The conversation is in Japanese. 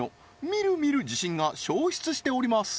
みるみる自信が消失しております